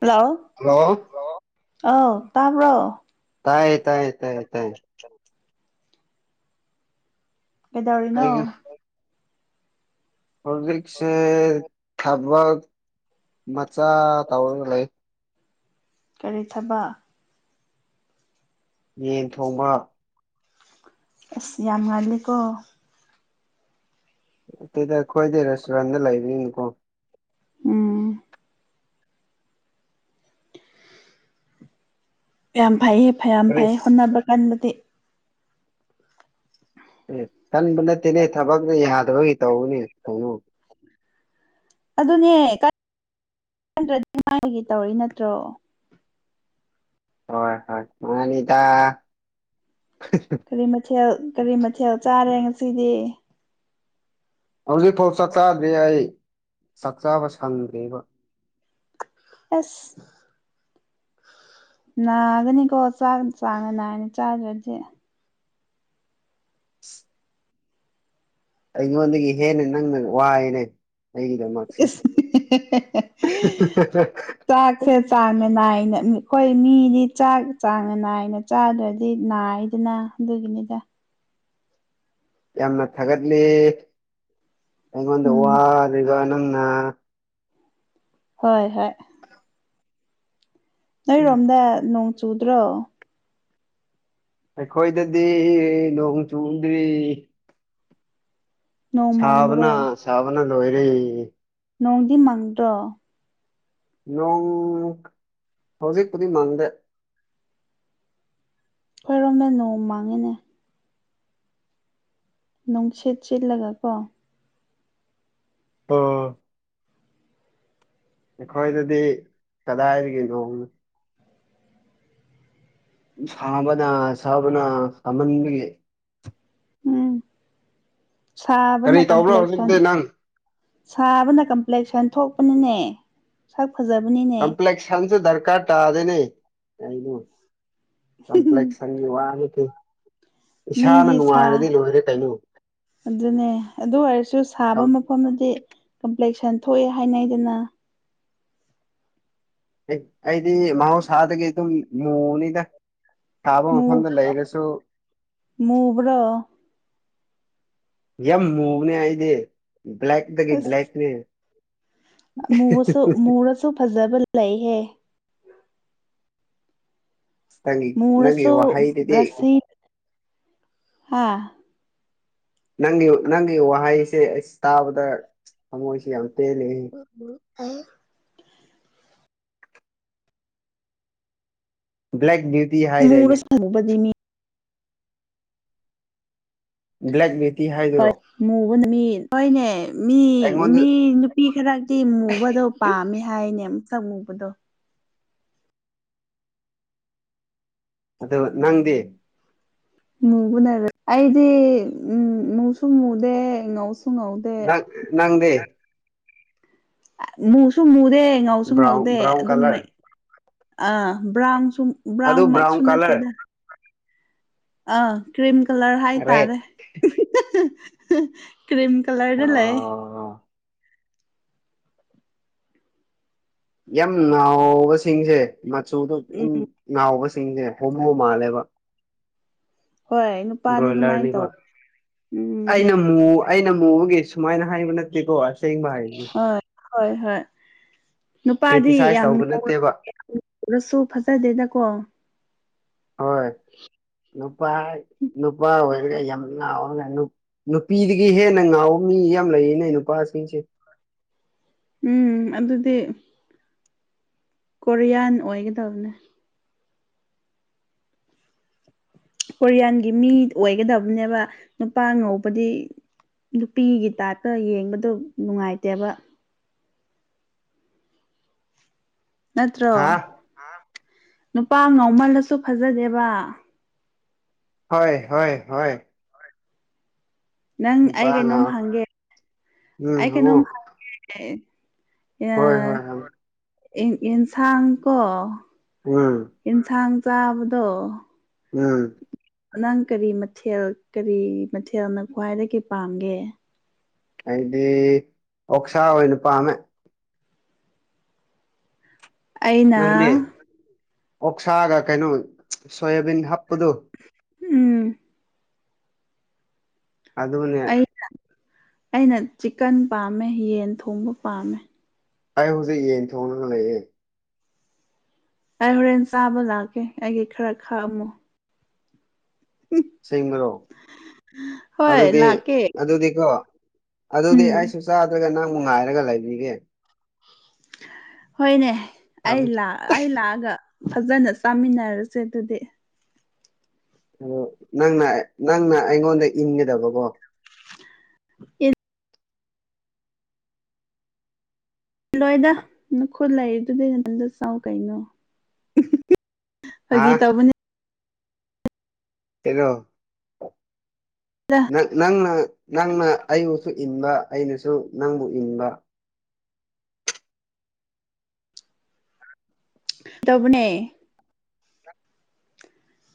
Hello hello ꯑ ꯇꯥꯝꯕ꯭ꯔꯣ ꯇꯥꯏ ꯇꯥꯏ ꯇꯥꯏ ꯇꯥꯏ ꯀꯩꯗꯧꯔꯤꯅꯣ ꯑꯩꯒꯤ ꯍꯧꯖꯤꯛꯁꯦ ꯊꯕꯛ ꯃꯆꯥ ꯇꯧꯔꯒ ꯂꯩ ꯀꯔꯤ ꯊꯕ ꯌꯦꯟ ꯊꯣꯡꯕ ꯑꯦꯁ ꯌꯥꯝ ꯉꯜꯂꯤꯀꯣ ꯑꯗꯨꯗ ꯑꯩꯈꯣꯏꯗꯤ ꯔꯦꯁꯇꯨꯔꯦꯟꯗ ꯂꯩꯔꯤꯅꯤꯀꯣ ꯎꯝ ꯌꯥꯝꯌꯥꯝ ꯐꯩꯌꯦ ꯐꯌꯥꯝ ꯀꯔꯤ ꯐꯩ ꯍꯣꯠꯅꯕ ꯀꯥꯟꯗꯗꯤ ꯑꯦ ꯀꯟꯕ ꯅꯠꯇꯦꯅꯦ ꯊꯕꯛꯅ ꯌꯥꯗꯕꯒꯤ ꯇꯧꯕꯅꯦ ꯈꯣꯡꯉꯎ ꯑꯗꯨꯅꯦ꯭ꯔꯗꯤ ꯃꯥꯏꯒꯤ ꯇꯧꯔꯤ ꯅꯠꯇ꯭ꯔꯣ ꯍꯣꯏ ꯍꯣꯏ ꯃꯅꯤ ꯏꯗ ꯀꯔꯤ ꯃꯊꯦꯜ ꯀꯔꯤ ꯃꯊꯦꯜ ꯆꯥꯔꯦ ꯉꯁꯤꯗꯤ ꯍꯧꯖꯤꯛꯐꯥꯎ ꯆꯥꯛ ꯆꯗ꯭ꯔꯤ ꯑꯩ ꯆꯥꯛ ꯆꯕ ꯁꯪꯗ꯭ꯦꯕ ꯑꯦꯁ ꯅꯥꯒꯅꯤꯀꯣꯥꯛ ꯆꯥꯅ ꯅꯥꯏꯅꯤ ꯆꯥꯗ꯭ꯔꯗꯤꯦ ꯑꯩꯉꯣꯟꯗꯒꯤ ꯍꯦꯟꯅ ꯅꯪꯅ ꯋꯥꯏꯑꯅꯦ ꯑꯩꯗꯃꯁ ꯏꯁ ꯆꯥꯛꯁꯦ ꯆꯥꯡꯅꯥ ꯅꯥꯏꯅ ꯑꯩꯈꯣꯏ ꯃꯤꯗꯤ ꯆꯥꯛ ꯆꯥꯡ ꯅꯥꯏꯅ ꯆꯆꯥꯗꯨꯔꯗꯤ ꯅꯥꯏꯗꯅ ꯑꯗꯨꯒꯤꯅꯤꯗ ꯌꯥꯝꯅ ꯊꯥꯒꯠꯂꯤ ꯑꯩꯉꯣꯟꯗ ꯎꯝ ꯋꯥ ꯑꯗꯨꯒ ꯅꯪꯅ ꯍꯣꯏ ꯍꯣꯏ ꯅꯔꯣꯝꯗ ꯅꯣꯡ ꯆꯨꯗ꯭ꯔꯣ ꯑꯩꯈꯣꯏꯗꯗꯤ ꯅꯣꯡ ꯆꯨꯗ꯭ꯔꯤ ꯅꯣꯡ ꯁꯥꯕꯅ ꯃꯪꯕ꯭ꯔꯣ ꯁꯕꯅ ꯂꯣꯏꯔ ꯅꯣꯡꯗꯤ ꯃꯪꯗ꯭ꯔꯣ ꯅꯣꯡ ꯍꯧꯖꯤꯛꯄꯨꯗꯤ ꯃꯪꯗꯦ ꯑꯩꯣꯏꯔꯣꯝꯃꯦ ꯅꯣꯡ ꯃꯥꯡꯉꯤꯅꯦ ꯅꯨꯡꯁꯤꯠ ꯆꯠꯂꯒ ꯀꯣ ꯑꯣ ꯑꯩꯈꯣꯏꯗꯗꯤ ꯀꯗꯥꯏꯒꯅꯣꯅꯣ ꯁꯥꯕꯅ ꯁꯥꯕꯅ ꯀꯝꯃꯟꯕꯒꯤ ꯎꯝ ꯀꯔꯤ ꯁꯥꯕꯅ ꯇꯧꯕ꯭ꯔꯣ ꯀꯝꯄ꯭ꯂꯦꯛꯁꯟ ꯍꯧꯖꯤꯛꯇꯤ ꯅꯪ ꯁꯥꯕꯅ ꯀꯝꯄ꯭ꯂꯦꯛꯁꯟ ꯊꯣꯛꯄꯅꯅꯦ ꯁꯛ ꯐꯖꯕꯅꯤꯅꯦ ꯁꯟꯁꯨ ꯗꯔꯀꯥꯔ ꯇꯥꯗꯅꯦ ꯀꯩꯅꯣ ꯀꯝꯄ꯭ꯂꯦꯛꯁꯟꯒꯤ ꯋꯥ ꯏꯁꯥꯅ ꯃꯤꯗꯤ ꯁꯥ ꯅꯨꯡꯉꯥꯏꯔꯗꯤ ꯂꯣꯏꯔꯦ ꯀꯩꯅꯣ ꯑꯗꯨꯅꯦ ꯑꯗꯨ ꯑꯣꯏꯔꯁꯨ ꯁꯥꯕ ꯑꯩ- ꯃꯐꯝꯗꯤ ꯀꯝꯄ꯭ꯂꯦꯛꯁꯟ ꯊꯣꯛꯑꯦ ꯍꯥꯏꯅꯩꯗꯅ ꯑꯦ ꯑꯩꯗꯤ ꯃꯍꯧꯁꯥꯗꯒꯤ ꯑꯗꯨꯝ ꯃꯨꯅꯤꯗ ꯊꯥꯕ ꯃꯐꯝꯗ ꯂꯩꯔꯁꯨ ꯃꯕ꯭ꯔꯣ ꯌꯥꯝ ꯃꯨꯕꯅꯦ ꯑꯩꯗꯤ ꯕ꯭ꯂꯥꯏꯛ ꯗꯗꯒꯤ ꯑꯁ ꯕ꯭ꯂꯦꯛꯅꯦ ꯁꯨ ꯐꯖꯕ ꯂꯩꯍꯦ ꯅꯪꯒꯤ ꯅꯪꯒꯤ ꯃꯨꯔꯁꯨ ꯋꯥꯍꯩꯗꯨꯗꯤ ꯔꯁꯤ ꯍꯥꯥ ꯅꯪꯒꯤ ꯅꯪꯒꯤ ꯋꯥꯍꯩꯁꯦ ꯑꯩ ꯇꯥꯕꯗ ꯊꯃꯣꯏꯁꯤ ꯌꯥꯝ ꯄꯦꯜꯂꯤꯍꯦ ꯀ ꯕ꯭ꯂꯦꯛ ꯕ꯭ꯌꯨꯇꯤ ꯍꯥꯏꯗꯣꯏꯗꯤ ꯄꯗꯤꯃꯤ ꯕ꯭ꯂꯦꯛꯕꯦꯇꯤ ꯍꯥꯏꯗꯨꯣꯏꯔꯣ ꯃꯕꯨ ꯃꯤ ꯀꯅꯦ ꯃꯤ ꯑꯩꯉꯣꯟꯗ ꯃꯤ ꯅꯨꯄꯤ ꯈꯔꯛꯇꯤ ꯃꯨꯕꯗꯣ ꯄꯥꯝꯃꯦ ꯍꯥꯏꯅꯦ ꯃꯁꯛ ꯃꯨꯕꯗꯣ꯫ ꯑꯗꯨꯒ ꯅꯪꯗꯤ꯫ ꯃꯨꯕꯅꯔ ꯑꯩꯗꯤ ꯎꯝ ꯃꯨꯁꯨ ꯉꯨꯗꯦ ꯉꯧꯁꯨ ꯉꯧꯗꯦ꯫ ꯅ ꯅꯪꯗꯤ꯫ ꯃꯨꯁꯨ ꯃꯨꯗꯦ ꯉꯧꯁꯨ ꯕ꯭ꯔꯥꯎꯟ ꯉꯧꯗꯦ ꯕ꯭ꯔꯥꯎꯟ ꯑꯗꯨꯝ ꯀꯂꯔ ꯑꯩ ꯑ ꯕ꯭ꯔꯥꯎꯟꯁꯨ ꯑꯗꯨ ꯕ꯭ꯔꯥꯎꯟ ꯕ꯭ꯔꯥꯎꯟꯃꯛꯁꯨ ꯀꯂꯔ ꯅꯠꯇꯦꯗ꯫ ꯑꯥ ꯀ꯭ꯔꯤꯝ ꯀꯂꯔ ꯔꯦꯠ ꯍꯥꯏꯇꯥꯔꯦ꯫ ꯀ꯭ꯔꯤꯝ ꯀꯂꯔꯗ ꯂꯩ꯫ ꯑꯣ ꯌꯥꯝ ꯉꯥꯎꯕꯁꯤꯡꯁꯦ ꯃꯆꯨꯗꯣ ꯌꯥꯝ ꯎꯝ ꯉꯥꯎꯕꯁꯤꯡꯁꯦ ꯍꯣꯃꯣ ꯃꯥꯜꯂꯦꯕ꯫ ꯍꯣꯏ ꯅꯨꯄꯥꯗꯤ ꯑꯗꯨꯃꯥꯏꯅ ꯇꯧ ꯎꯝ꯫ ꯨꯎꯝ ꯑꯩꯅ ꯃꯨꯕꯒꯤ ꯁꯨꯃꯥꯏꯅ ꯍꯥꯏꯕ ꯅꯠꯇꯦꯀꯣ ꯑꯁ꯫ ꯍꯣꯏ ꯍꯣꯏ ꯍꯣꯏ ꯅꯨꯄꯥꯗꯤ ꯀ꯭ꯔꯤꯇꯤꯁꯥꯏꯁ ꯌꯥꯝ ꯇꯧꯕ ꯅꯠꯇꯦꯕ ꯉꯥꯎꯔꯁꯨ ꯑꯗꯨꯁꯨ ꯐꯖꯗꯦꯗꯀꯣ꯫ ꯍꯣꯏ ꯅꯨꯄꯥ ꯅꯨꯄꯥ ꯑꯣꯏꯔꯒ ꯌꯥꯝ ꯉꯥꯎꯔꯒ ꯅꯨꯄꯤꯗꯒꯤ ꯍꯦꯟꯅ ꯉꯥꯎꯕ ꯃꯤ ꯌꯥꯝ ꯂꯩꯔꯤꯅꯦ ꯅꯨꯄꯥꯁꯤꯡꯁꯦ꯫ ꯎꯝ ꯑꯗꯨꯗꯤ꯫ ꯀꯣꯔꯤꯌꯥꯟ ꯑꯣꯏꯒꯗꯕꯅꯦ꯫ ꯀꯣꯔꯤꯌꯥꯟꯒꯤ ꯃꯤ ꯑꯣꯏꯒꯗꯕꯅꯦꯕ ꯅꯨꯄꯥ ꯉꯧꯕꯗꯤ꯫ ꯅꯨꯄꯤꯒꯤ ꯇꯥꯏꯞꯇ ꯌꯦꯡꯕꯗꯣ ꯅꯨꯡꯉꯥꯏꯇꯦꯕ꯫ ꯅꯠꯇ꯭ꯔꯣ ꯍꯥ ꯅꯨꯄꯥ ꯉꯥꯎꯃꯜꯂꯁꯨ ꯐꯖꯗꯦꯕ꯫ ꯍꯣꯏ ꯍꯣꯏ ꯍꯣꯏ꯫ ꯅꯪ ꯅꯨꯄꯥ ꯑꯩ ꯀꯩꯅꯣꯝ ꯉꯥꯎ ꯍꯪꯒꯦ ꯎꯝ ꯑꯩ ꯍꯪꯉꯣ ꯀꯩꯅꯣꯝ ꯑ ꯍꯣꯏ ꯍꯣꯏ ꯍꯪ ꯏꯟꯁꯥꯡ ꯀꯣ꯫ ꯎꯝ꫰꫰ ꯌꯦꯟꯁꯥꯡ ꯆꯥꯕꯗꯣ꯫ ꯎꯝ꯫ ꯅꯪ ꯀꯔꯤ ꯃꯊꯦꯜ ꯀꯔꯤ ꯃꯊꯦꯜꯅ ꯈ꯭ꯋꯥꯏꯗꯒꯤ ꯄꯥꯝꯒꯦ꯫ ꯍꯥꯏꯗꯤ ꯑꯣꯛꯁꯥ ꯑꯣꯏꯅ ꯄꯥꯝꯃꯦ꯫ ꯑꯩꯅ ꯅꯪꯗꯤ ꯑꯣꯛꯁꯥꯒ ꯀꯩꯅꯣ ꯁꯣꯌꯥꯕꯤꯟ ꯍꯥꯞꯄꯗꯣ꯫ ꯎꯝ꯫ ꯑꯗꯨꯅꯦ꯫ ꯑꯩ ꯑꯩꯅ ꯆꯤꯛꯀꯟ ꯄꯥꯝꯃꯦ ꯌꯦꯟ ꯊꯣꯡꯕ ꯄꯥꯝꯃꯦ꯫ ꯑꯩ ꯍꯧꯖꯤꯛ ꯌꯦꯟ ꯊꯣꯡꯉꯒ ꯂꯩꯌꯦ꯫ ꯑꯩ ꯍꯣꯔꯦꯟ ꯆꯥꯕ ꯂꯥꯛꯀꯦ ꯑꯩꯒꯤ ꯈꯔ ꯈꯥꯛꯑꯝꯃꯨ꯫ ꯑꯁꯦꯡꯕ꯭ꯔꯣ ꯍꯣꯏ ꯑꯗꯨꯗꯤ ꯂꯥꯛꯀꯦ ꯑꯗꯨꯗꯤ ꯀꯣ꯫ ꯑꯗꯨꯗꯤ ꯎꯝ ꯑꯩꯁꯨ ꯆꯥꯗ꯭ꯔꯒ ꯅꯪꯕꯨ ꯉꯥꯏꯔꯒ ꯂꯩꯕꯤꯒꯦ꯫ ꯍꯣꯏꯅꯦ ꯑꯩ ꯇꯝꯃꯤ ꯂꯥꯛ ꯑꯩ ꯂꯥꯛꯑꯒ ꯐꯖꯅ ꯆꯥꯃꯤꯟꯅꯔꯁꯦ ꯑꯗꯨꯗꯤ꯫ ꯑ ꯅꯪꯅ ꯅꯪꯅ ꯑꯩꯉꯣꯟꯗ ꯏꯟꯒꯗꯕꯀꯣ꯫ ꯑꯦ꯫ ꯂꯣꯏꯗ ꯅꯈꯨꯠ ꯂꯩꯔꯤꯗꯨꯗꯤ ꯅꯊꯟꯗ ꯆꯥꯎ ꯀꯩꯅꯣ꯫ ꯍꯥ ꯐꯥꯒꯤ ꯇꯧꯕꯅꯦ꫰꫰ ꯀꯩꯅꯣ꯫ ꯅꯪꯅ ꯅꯪꯅ ꯑꯩꯕꯨꯁꯨ ꯏꯟꯕ ꯑꯩꯅꯁꯨ ꯅꯪꯕꯨ ꯏꯟꯕ꯫ ꯇꯧꯕꯅꯦ꯫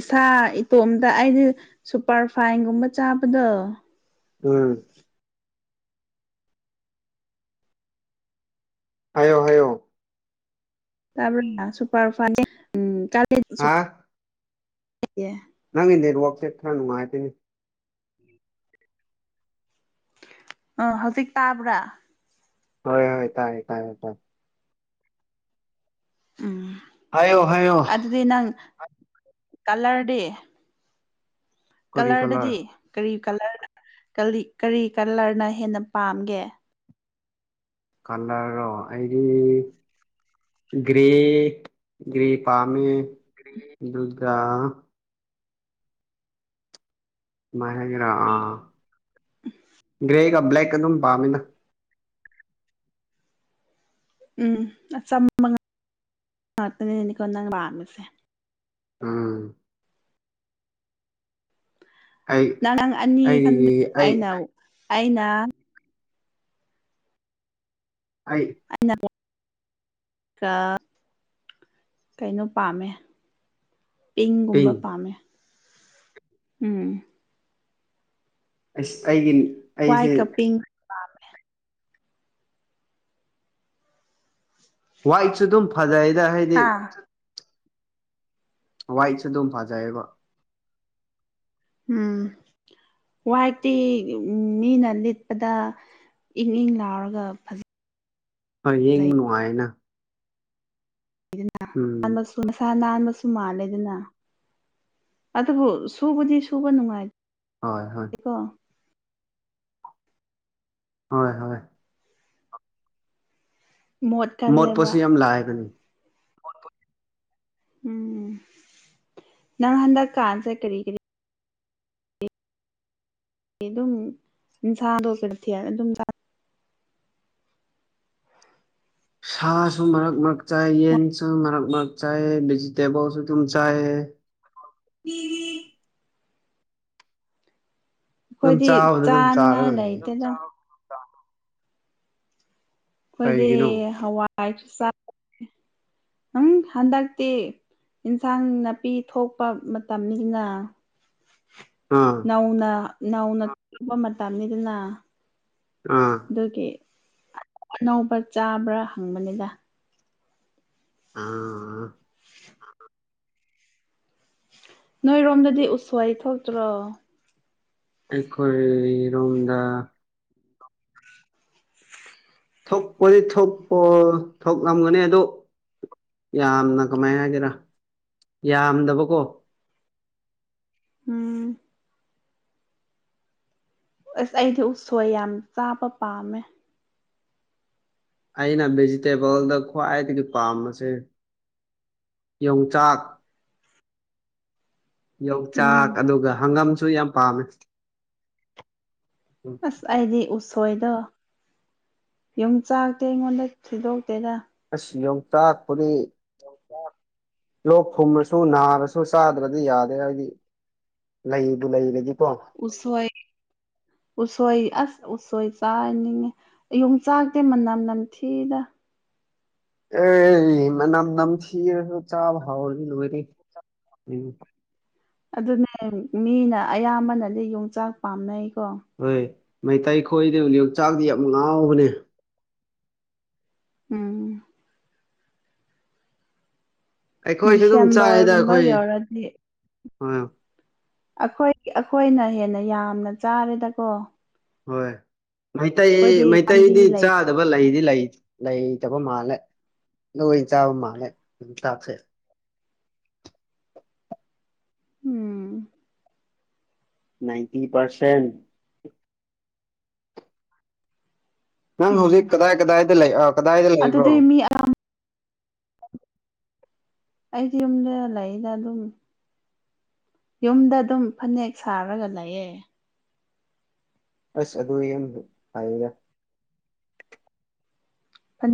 ꯏꯁꯥ ꯏꯇꯣꯝꯇ ꯑꯩꯗꯤ ꯁꯨꯄꯔ ꯐꯥꯏꯟꯒꯨꯝꯕ ꯆꯥꯕꯗꯣ꯫ ꯎꯝ꯫ ꯍꯥꯏꯌꯣ ꯍꯥꯏꯌꯣ꯫ ꯇꯥꯕꯔꯣ ꯗꯗꯥ ꯁꯨꯄꯔ ꯐꯥꯏꯟꯁꯦ ꯀꯂꯦꯟ ꯍꯥ [unintelligible] ꯅꯪꯒꯤ ꯅꯦꯠ ꯋꯥꯛꯁꯦ ꯈꯔ ꯅꯨꯡꯉꯥꯏꯇꯦꯅꯦ꯫ ꯑ ꯍꯧꯖꯤꯛ ꯇꯥꯕ꯭ꯔꯥ ꯍꯣꯏ ꯍꯣꯏ ꯇꯥꯥꯏꯦ ꯇꯥꯥꯏꯦ ꯇꯥꯏꯦ ꯎꯝ ꯍꯥꯏꯌꯣ ꯍꯥꯏꯌꯣ ꯑꯗꯨꯗꯤ ꯅꯪ ꯀꯂꯔꯗꯤ ꯀꯔꯤ ꯀꯂꯔꯗꯗꯤ ꯀꯂꯔ ꯀꯔꯤ ꯀꯂꯔꯅ ꯀꯔꯤ ꯀꯂꯔꯅ ꯍꯦꯟꯅ ꯄꯥꯝꯒꯦ ꯀꯂꯔꯣ ꯑꯩꯗꯤ ꯭ꯔꯦ ꯭ꯔꯔꯤꯄꯥꯥꯝꯃꯦ ꯀ ꯗꯨꯔꯒꯥ ꯁꯃꯥꯏꯅ ꯍꯥꯏꯒꯦꯔꯥ ꯑꯥ ꯒ꯭ꯔꯦꯒ ꯕ꯭ꯂꯦꯛꯀ ꯑꯗꯨꯝ ꯄꯥꯝꯃꯤꯅ ꯎꯝ ꯑꯁ ꯆꯝꯕ ꯉꯥꯛꯇꯅꯤꯗꯅꯤꯀꯣ ꯅꯪ ꯂꯥꯡꯃꯤꯁꯦ ꯎꯝ ꯑꯩ ꯅꯪꯪ ꯑꯅꯤ ꯈꯟꯗ ꯑꯩꯒꯤ ꯑꯩ ꯑꯩꯅ ꯑꯩꯅ ꯑꯩ ꯑ ꯀꯩꯅꯣ ꯄꯥꯝꯃꯦ ꯄꯤꯡꯒꯨꯝꯕ ꯄꯤꯡ ꯄꯥꯝꯃꯦ ꯎꯝ ꯑꯩꯒꯤ ꯋꯥꯏ ꯑꯩꯁꯦ ꯀꯄꯤꯡ ꯋꯥꯏꯠꯁꯨ ꯑꯗꯨꯝ ꯐꯖꯩꯗ ꯍꯥꯏꯗꯤ ꯍꯥ ꯋꯥꯏꯠꯁꯨ ꯑꯗꯨꯝ ꯐꯥꯖꯩꯌꯦꯕꯣ ꯎꯝ ꯋꯥꯏꯛꯇꯤ ꯃꯤꯅ ꯂꯤꯠꯄꯗ ꯏꯪ ꯏꯪ ꯂꯥꯎꯔꯒ ꯐꯖ ꯍꯣꯏ ꯌꯦꯡꯅꯨ ꯍꯥꯏꯥꯏꯅ ꯎꯝ ꯅꯥꯟꯕꯁꯨ ꯃꯁꯥ ꯅꯥꯟꯕꯁꯨ ꯃꯥꯜꯂꯦꯗꯅ ꯑꯗꯨꯕꯨ ꯁꯨꯕꯨꯗꯤ ꯁꯨꯕ ꯅꯨꯡꯉꯥꯏ ꯍꯣꯏ ꯍꯣꯏ ꯑꯗꯨꯒꯀꯣ ꯍꯣꯏ ꯍꯣꯏ ꯃꯣꯠ ꯀꯜꯂꯦꯕ ꯃꯣꯠꯄꯁꯨ ꯌꯥꯝ ꯂꯥꯏꯕꯅꯤ ꯎꯝ ꯎꯝ ꯅ ꯍꯟꯗ ꯀꯥꯟꯁꯦ ꯀꯔꯤ ꯀꯔꯤ ꯑꯗꯨꯝ ꯏꯟꯁꯥꯗꯣꯔ ꯊ ꯑꯗꯨꯝ ꯁꯥꯁꯨ ꯃꯔꯛ ꯃꯔꯛ ꯆꯥꯏ ꯌꯦꯟꯁꯨ ꯃꯔꯛ ꯃꯔꯛ ꯆꯥꯏꯌꯦ ꯚꯤꯖꯤꯇꯦꯕꯜꯁꯨ ꯑꯗꯨꯝ ꯆꯥꯏꯌꯦ ꯎꯝ ꯑꯗꯨꯝ ꯑꯩꯈꯣꯏꯗꯤ ꯆꯥꯕꯗ ꯑꯗꯨꯝ ꯆꯥꯔꯒ ꯆꯥꯅꯤꯡꯉꯥꯏ ꯂꯩ ꯂꯩꯇꯦꯗ ꯑꯩꯈꯣꯏꯗꯤ ꯀꯩꯒꯤꯅꯣ ꯍꯋꯥꯏꯁꯨ ꯆꯥ ꯎꯝ ꯍꯟꯗꯛꯇꯤ ꯏꯟꯁꯥꯡ ꯅꯥꯄꯤ ꯊꯣꯛꯄ ꯃꯇꯝꯅꯤꯁꯤꯅ [inaudible] ꯑꯥ ꯅꯧꯅ ꯅꯧꯅ ꯇꯕ ꯃꯇꯝꯅꯤꯗꯅ ꯑꯥ ꯑꯗꯨꯒꯤ ꯑꯅꯧꯕ ꯆꯥꯕ꯭ꯔꯥ ꯍꯪꯕꯅꯤꯗ ꯑꯥ ꯑ ꯅꯣꯏꯔꯣꯝꯗꯗꯤ ꯎꯁꯋꯥꯏ ꯊꯣꯛꯇ꯭ꯔꯣ ꯑꯩꯈꯣꯏꯔꯣꯝꯗ ꯊꯣꯛꯄꯗꯤ ꯊꯣꯛꯄ ꯊꯣꯛꯂꯝꯒꯅꯤ ꯑꯗꯣ ꯌꯥꯝꯅ ꯀꯃꯥꯏꯅ ꯍꯥꯏꯒꯦꯔꯥ ꯌꯥꯝꯗꯕꯀꯣ ꯎꯝ ꯑꯁ ꯑꯩꯗꯤ ꯎꯁꯣꯏ ꯌꯥꯝ ꯆꯥꯕ ꯄꯥꯝꯃꯦ ꯑꯩꯅ ꯚꯦꯖꯤꯇꯦꯕꯜꯗ ꯈ꯭ꯋꯥꯏꯗꯒꯤ ꯄꯥꯝꯕꯁꯦ ꯌꯣꯡꯆꯥꯛ ꯎꯝ ꯌꯣꯡꯆꯥꯛ ꯑꯗꯨꯒ ꯍꯪꯒꯥꯝꯁꯨ ꯌꯥꯝ ꯄꯥꯝꯃꯦ ꯑꯁ ꯑꯩꯗꯤ ꯎꯁꯣꯏꯗꯣ ꯌꯨꯝ ꯆꯥꯛꯇꯦ ꯑꯩꯉꯣꯟꯗ ꯊꯤꯗꯣꯛꯇꯦꯗ ꯑꯁ ꯌꯣꯡꯆꯥꯛꯄꯗꯤ ꯑꯣꯁꯥ ꯂꯣꯛ ꯊꯨꯝꯃꯁꯨ ꯅꯥꯔꯁꯨ ꯆꯥꯗ꯭ꯔꯗꯤ ꯌꯥꯗꯦ ꯍꯥꯏꯗꯤ ꯂꯩꯕꯨ ꯂꯩꯔꯗꯤꯀꯣ ꯎꯁꯣꯏ ꯎꯁꯣꯣꯏ ꯑꯁ ꯎꯁꯣꯏ ꯆꯥ ꯏꯅꯤꯉ ꯌꯣꯡꯆꯥꯛꯇꯦ ꯃꯅꯝ ꯅꯝꯊꯤꯗ ꯑꯦ ꯃꯅꯝ ꯅꯝꯊꯤꯔꯁꯨ ꯆꯥꯕ ꯍꯥꯎꯅꯤ ꯂꯣꯏꯔ ꯑꯗꯨꯅꯦ ꯃꯤꯅ ꯑꯌꯥꯝꯕꯅꯗꯤ ꯌꯣꯡꯆꯥꯛ ꯄꯥꯝꯅꯩꯀꯣ ꯍꯣꯏ ꯃꯩꯇꯩ ꯈꯣꯏꯗꯕ ꯌꯣꯡꯆꯥꯛꯗꯤ ꯌꯥꯝ ꯉꯥꯎꯕꯅꯦ ꯎꯝ ꯑꯩꯈꯣꯏꯁꯨ ꯑꯗꯨꯝ ꯆꯥꯏꯔꯤꯗ ꯗꯤꯁꯦꯝꯕꯔꯒꯨꯝꯕ ꯑꯩꯈꯣꯏ ꯌꯧꯔꯗꯤ ꯍꯣꯏ ꯑꯩꯈꯣꯏ ꯑꯩꯈꯣꯏꯅ ꯍꯦꯟꯅ ꯌꯥꯝꯅ ꯆꯥꯔꯦꯗꯀꯣ ꯍꯣꯏ ꯃꯩꯇꯩ ꯑꯩꯈꯣꯏꯗꯤ ꯄꯥꯝꯕꯤ ꯃꯩꯇꯩꯗꯤ ꯂꯩ ꯆꯥꯗꯕ ꯂꯩꯗꯤ ꯂꯩ ꯂꯩꯇꯕ ꯃꯥꯜꯂꯦ ꯂꯣꯏ ꯆꯥꯕ ꯃꯥꯜꯂꯦ ꯑꯗꯨꯝ ꯇꯥꯛꯁꯩ ꯎꯝ ꯅꯥꯏꯟꯇꯤ ꯄꯔꯁꯦꯟ ꯅꯪ ꯎꯝ ꯍꯧꯖꯤꯛ ꯀꯗꯥꯏ ꯀꯗꯥꯏꯗ ꯂꯩ ꯑ ꯀꯗꯥꯏꯗ ꯂꯩꯕ꯭ꯔꯣ ꯑꯗꯨꯗꯤ ꯃꯤ ꯑꯩꯗꯤ ꯌꯨꯝꯗ ꯂꯩꯗ ꯑꯗꯨꯝ ꯌꯨꯝꯗ ꯑꯗꯨꯝ ꯐꯅꯦꯛ ꯁꯥꯔꯒ ꯂꯩꯌꯦ ꯑꯁ ꯑꯗꯨ ꯌꯥꯝ ꯍꯥꯏꯌꯦꯒ ꯑ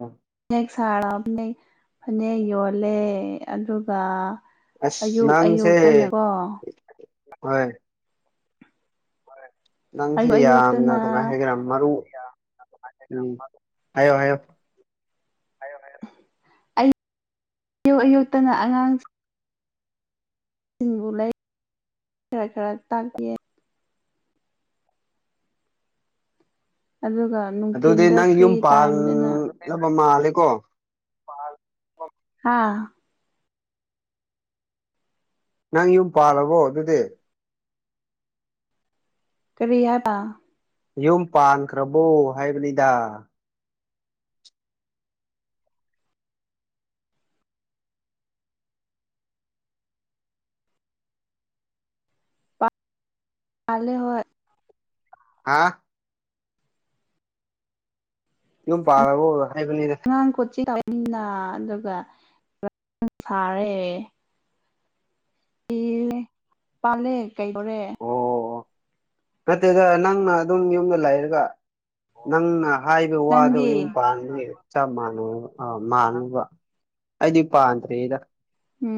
ꯑ ꯐꯅꯦꯛ ꯁꯥꯔ ꯐꯅꯦꯛ ꯐꯅꯦꯛ ꯌꯣꯜꯂꯦ ꯑꯗꯨꯒ ꯑꯁ ꯑꯌꯨꯛ ꯅꯪꯁꯦ ꯑꯌꯨꯛꯇꯅꯀꯣ ꯍꯣꯏ ꯅꯪꯁꯦ ꯑꯌꯨꯛ ꯌꯥꯝꯅ ꯑꯌꯨꯛꯇꯅ ꯀꯃꯥꯏ ꯍꯥꯏꯒꯦ꯭ꯔꯥ ꯃꯔꯨ ꯎꯝ ꯍꯥꯏꯌꯣ ꯍꯥꯏꯌꯨ ꯍꯥꯏꯌꯣ ꯍꯥꯏꯌꯣ ꯑꯌꯣꯛ ꯑꯌꯨꯛꯇꯅ ꯑꯉꯥꯡ ꯁꯤꯡꯕꯨ ꯂꯩ ꯈꯔ ꯈꯔ ꯇꯥꯛꯀꯦ ꯑꯗꯨꯒ ꯑꯗꯨꯗꯤ ꯅꯨꯡꯊꯤꯤꯟꯗ ꯅꯪ ꯐ꯭ꯔꯤ ꯌꯨꯝ ꯇꯥꯏꯝꯗꯅ ꯄꯥꯜꯂꯕ ꯃꯥꯜꯂꯦꯀꯣ ꯍꯥꯥ ꯅꯪ ꯌꯨꯝ ꯄꯥꯜꯂꯕꯣ ꯑꯗꯨꯗꯤ ꯀꯔꯤ ꯍꯥꯏꯕ ꯌꯨꯝ ꯄꯥꯟꯈ꯭ꯔꯕꯣ ꯍꯥꯏꯕꯅꯤꯗ ꯑꯂꯦ ꯍꯣ ꯍꯥꯥ ꯌꯨꯝ ꯄꯥꯔꯕ ꯍꯥꯏꯕꯅꯤꯅ ꯑꯉꯥꯡ ꯀꯣꯠꯁꯤ ꯇꯅꯤꯅ ꯑꯗꯨꯒ ꯁꯥꯔꯦ ꯏ ꯄꯂꯦ ꯀꯩꯈ ꯑꯣ ꯅꯠꯇꯦꯗ ꯅꯪꯅ ꯑꯗꯨꯝ ꯌꯨꯝꯗ ꯂꯩꯔꯒ ꯅꯪꯅ ꯍꯥꯏꯕ ꯋꯥꯗꯣ ꯅꯪꯗꯤ ꯌꯨꯝ ꯄꯥꯟꯕꯥꯟꯅꯦ ꯆꯞ ꯃꯥꯟꯅꯩ ꯑꯥ ꯃꯥꯟꯅꯕ ꯑꯩꯗꯤ ꯄꯥꯟꯗ꯭ꯔꯔꯤꯗ ꯎꯝ